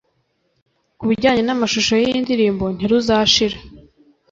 Ku bijyanye n’amashusho y’iyi ndirimbo Ntiruzashira